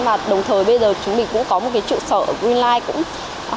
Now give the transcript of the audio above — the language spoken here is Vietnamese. và đồng thời bây giờ chúng mình cũng có một cái trự sở greenlight